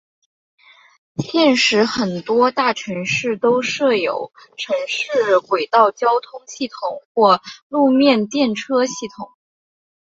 现时很多大城市都设有城市轨道交通系统或路面电车系统。